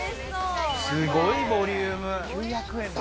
すごいボリューム。